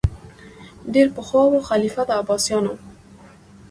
ډېر پخوا وو خلیفه د عباسیانو